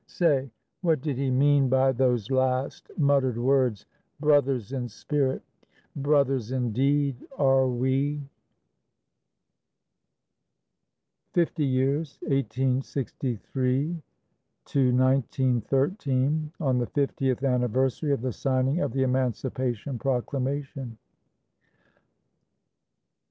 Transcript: Say, What did he mean by those last muttered words, "Brothers in spirit, brothers in deed are we"? FIFTY YEARS (1863 1913) _On the Fiftieth Anniversary of the Signing of the Emancipation Proclamation.